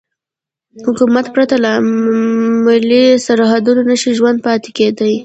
حکومت پرته له ملي سرحدونو نشي ژوندی پاتې کېدای.